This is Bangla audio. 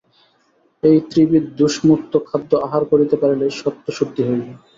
এই ত্রিবিধদোষমুক্ত খাদ্য আহার করিতে পারিলে সত্ত্বশুদ্ধি হইবে।